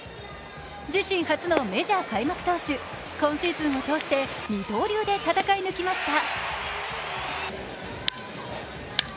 自身初のメジャー開幕投手、今シーズンを通して二刀流で戦い抜きました。